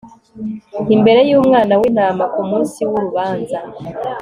imbere y'umwana w'intama kumunsi w'urubanza